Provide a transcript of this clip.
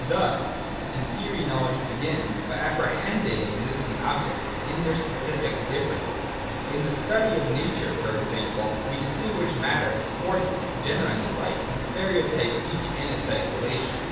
Thus, in theory, knowledge begins by apprehending existing objects in their specific differences. In the study of nature, for example, we distinguish matters, forces, genera and the like, and stereotype each in its isolation.